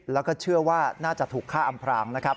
แล้วก็เชื่อว่าน่าจะถูกฆ่าอำพรางนะครับ